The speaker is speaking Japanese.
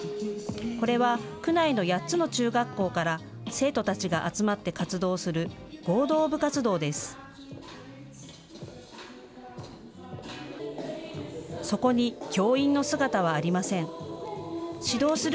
これは区内の８つの中学校から生徒たちが集まって活動する合同部活動です。